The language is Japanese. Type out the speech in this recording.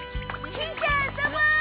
しんちゃん遊ぼう！